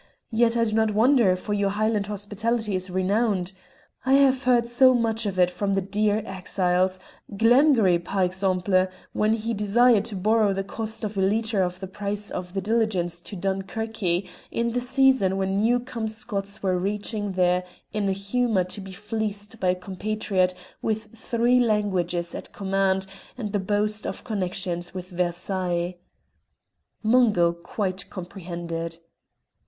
Yet I do not wonder, for your Highland hospitality is renowned. I have heard much of it from the dear exiles Glengarry par exemple, when he desired to borrow the cost of a litre or the price of the diligence to Dun querque in the season when new come Scots were reaching there in a humour to be fleeced by a compatriot with three languages at command and the boast of connections with Versailles." Mungo quite comprehended.